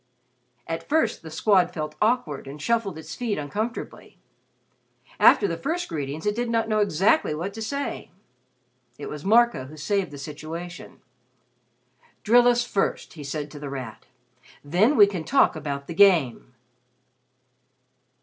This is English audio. At first, The Squad felt awkward and shuffled its feet uncomfortably. After the first greetings it did not know exactly what to say. It was Marco who saved the situation. "Drill us first," he said to The Rat, "then we can talk about the Game."